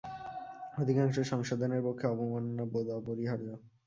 অধিকাংশ সংশোধনের পক্ষে অবমাননা-বোধ অপরিহার্য।